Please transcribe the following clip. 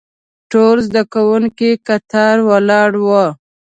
ټول زده کوونکي کتار ولاړ وو.